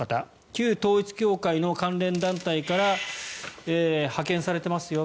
旧統一教会の関連団体から派遣されていますよ